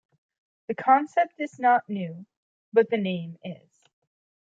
The concept is not new but the name is.